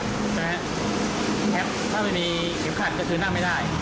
ใช่ไหมครับแคปถ้าไม่มีเห็นขาดก็คือนั่งไม่ได้